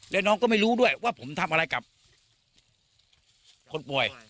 แล้วน้องก็ไม่รู้ด้วยว่าผมทำอะไรกับคนป่วย